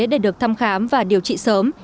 để được thăm khám và điều trị sớm